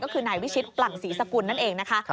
ก็คือนายวิชิตปลั่งศรีสกุลนั่นเองนะคะ